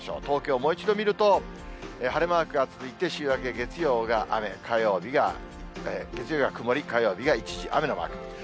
東京、もう一度見ると、晴れマークが続いて、週明け月曜が雨、月曜日が曇り、火曜日が一時雨のマーク。